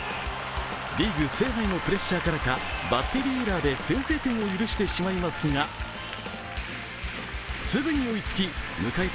リーグ制覇へのプレッシャーからかバッテリーエラーで先制点を許してしまいますがすぐに追いつき、迎えた